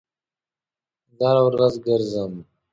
زه هر ورځ ګرځم